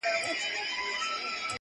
• جهاني څه به پر پردیو تهمتونه وایو -